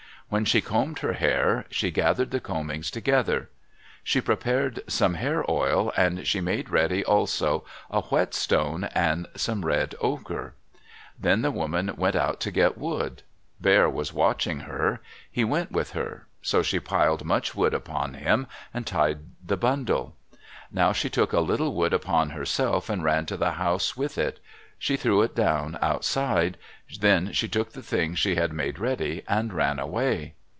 When she combed her hair, she gathered the combings together. She prepared some hair oil and she made ready also a whetstone and some red ochre. Then the woman went out to get wood. Bear was watching her. He went with her. So she piled much wood upon him and tied the bundle. Now she took a little wood herself and ran to the house with it. She threw it down outside. Then she took the things she had made ready and ran away.